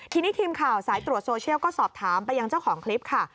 ทีนี้ทีมข่าวสายตรวจโซเชียลก็สอบถามไปยังเจ้าของคลิปค่ะ